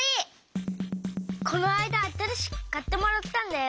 このあいだあたらしくかってもらったんだよ。